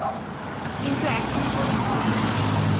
কিন্তু এখন পরে কি লাভ?